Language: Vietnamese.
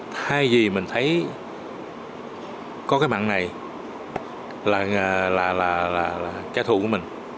thay vì mình thấy có cái mặn này là kẻ thù của mình